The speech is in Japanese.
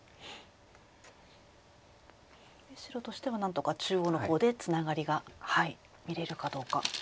白としては何とか中央の方でツナガリが見れるかどうか。